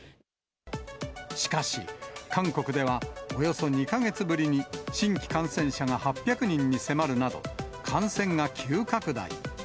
しかし、韓国ではおよそ２か月ぶりに新規感染者が８００人に迫るなど、感染が急拡大。